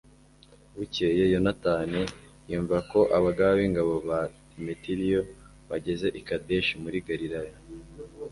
bukeye, yonatani yumva ko abagaba b'ingabo ba demetiriyo bageze i kadeshi muri galileya